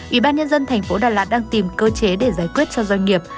ủy ban nhân dân thành phố đà lạt đang tìm cơ chế để giải quyết cho doanh nghiệp